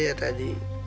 tidak apa apa pak